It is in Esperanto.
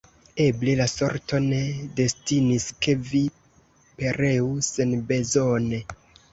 Eble, la sorto ne destinis, ke vi pereu senbezone.